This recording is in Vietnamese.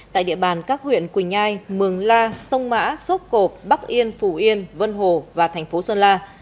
tại địa bàn các huyện quỳnh nhai mường la sông mã sốt cộp bắc yên phù yên vân hồ và thành phố sơn la